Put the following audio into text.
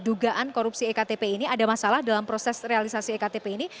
dugaan korupsi ektp ini ada masalah dalam proses realisasi ektp ini